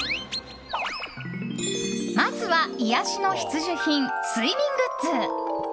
まずは癒やしの必需品睡眠グッズ。